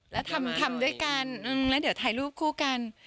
แล้วทำด้วยกันแล้วเดี๋ยวถ่ายรูปคู่กัน